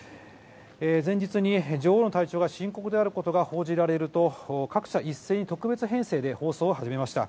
前日に女王の体調が深刻であることが報じられると各社一斉に特別編成で放送を始めました。